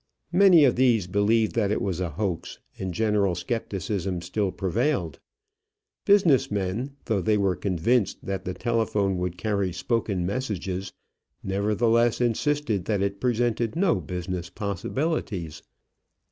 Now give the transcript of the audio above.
Many of these believed that it was a hoax, and general skepticism still prevailed. Business men, though they were convinced that the telephone would carry spoken messages, nevertheless insisted that it presented no business possibilities.